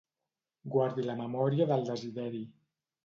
Guardi la memòria del Desideri.